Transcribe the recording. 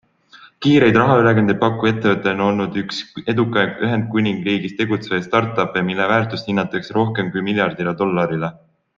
Kiireid rahaülekandeid pakkuv ettevõte on olnud üks edukamaid Ühendkuningriigis tegutsevaid start-uppe, mille väärtust hinnatakse rohkem kui miljardile dollarile.